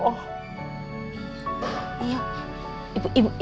ibu masaknya enak enak tuh